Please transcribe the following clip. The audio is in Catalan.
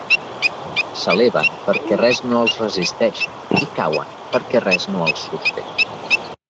S'eleven perquè res no els resisteix i cauen perquè res no els sosté.